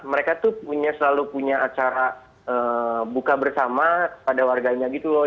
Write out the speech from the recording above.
mereka tuh punya selalu punya acara buka bersama pada warganya gitu loh